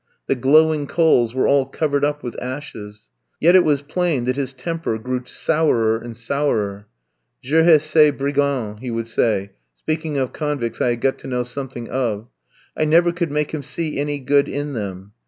The glowing coals were all covered up with ashes. Yet it was plain that his temper grew sourer and sourer. "Je hais ces brigands," he would say, speaking of convicts I had got to know something of; I never could make him see any good in them.